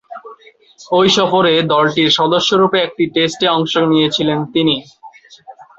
ঐ সফরে দলটির সদস্যরূপে একটি টেস্টে অংশ নিয়েছিলেন তিনি।